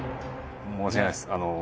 申し訳ないです」